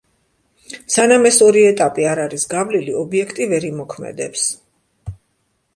სანამ ეს ორი ეტაპი არ არის გავლილი ობიექტი ვერ იმოქმედებს.